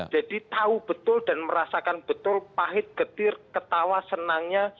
jadi tahu betul dan merasakan betul pahit getir ketawa senangnya